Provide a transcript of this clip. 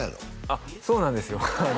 あっそうなんですよ